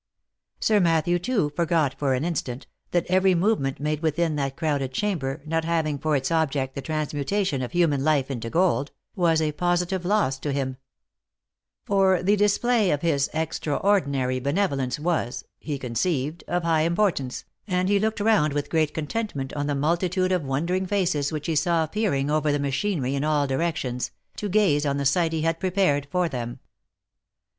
Sir Matthew, too, forgot for an instant, that every movement made within that crowded chamber, not having for its object the transmutation of human life into gold, was a positive loss to him ; for the display of his extraordinary benevolence was, he conceived, of high importance, and he looked round with great contentment on the multitude of wondering faces which he saw peering over the machinery in all directions, to gaze on the sight he had prepared for them.